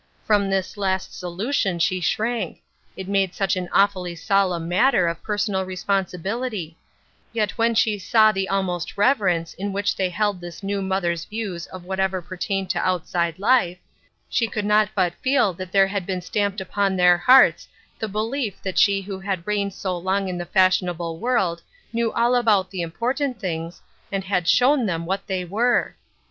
" From this last solution she shrank ; it made such an awfully solemn matter of personal responsibility; yet when she saw the almost reverence in whicl: they held this new mother's views of whatever per tained to outside life, she could not but feel that there had been stamped upon their hearts the belief that she who had reigned so long in the fashionable world knew all about the important things, and had shown them what they were